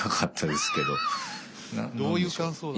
どういう感想だ。